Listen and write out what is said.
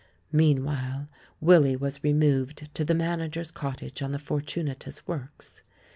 Meanwhile Willy was removed to the manager's cottage on the Fortunatus works.